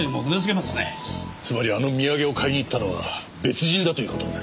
つまりあの土産を買いに行ったのは別人だという事になる。